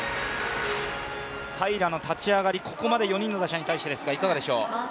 平良の立ち上がり、ここまで４人の打者に対してですが、いかがでしょうか？